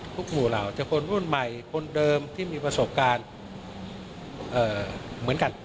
ทุกหมู่เหล่าจากคนรุ่นใหม่คนเดิมที่มีประสบการณ์